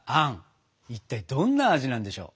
いったいどんな味なんでしょう。